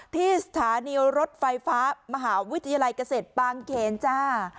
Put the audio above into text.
ที่สถานีรถไฟฟ้ามหาวิทยาลัยเกษตรบางเขนจ้า